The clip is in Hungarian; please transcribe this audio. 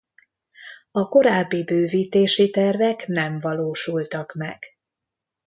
A korábbi bővítési tervek nem valósultak meg.